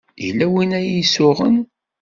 Yella win ay isuɣen.